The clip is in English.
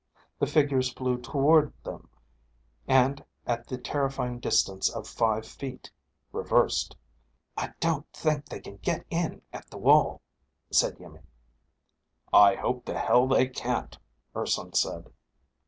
The figures flew toward them and at the terrifying distance of five feet, reversed. "I don't think they can get in at the wall," said Iimmi. "I hope the hell they can't," Urson said.